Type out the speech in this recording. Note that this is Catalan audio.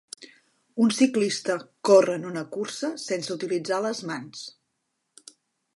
Un ciclista corre en una cursa sense utilitzar les mans.